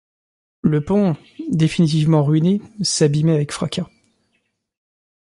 Le pont, définitivement ruiné, s’abîmait avec fracas...